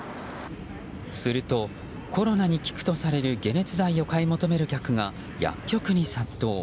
すると、コロナに効くとされる解熱剤を買い求める客が薬局に殺到。